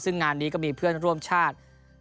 ซึ่งงานนี้ก็มีเพื่อนร่วมชาติ